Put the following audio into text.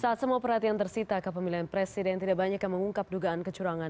saat semua perhatian tersita ke pemilihan presiden tidak banyak yang mengungkap dugaan kecurangan